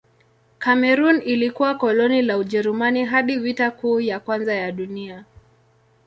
Kamerun ilikuwa koloni la Ujerumani hadi Vita Kuu ya Kwanza ya Dunia.